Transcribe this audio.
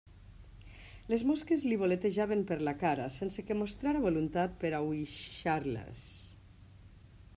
Les mosques li voletejaven per la cara, sense que mostrara voluntat per a aüixar-les.